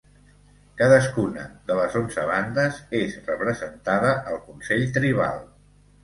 Cadascuna de les onze bandes és representada al consell tribal.